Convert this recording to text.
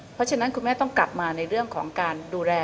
เพราะฉะนั้นคุณแม่ต้องกลับมาในเรื่องของการดูแล